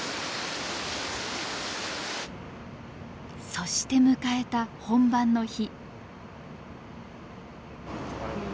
そして迎えた本番の日。